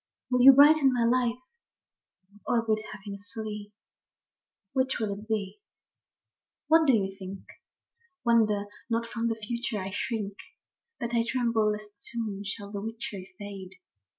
Will you brighten my life, or bid happiness flee, — Which will it be ? What do you think? Ah, wonder not that from the future I shrink. That I tremble lest soon shall the witchery fade.